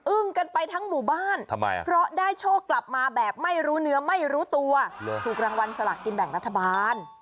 กันไปทั้งหมู่บ้านเพราะได้โชคกลับมาแบบไม่รู้เนื้อไม่รู้ตัวถูกรางวัลสลักกินแบ่งรัฐบาล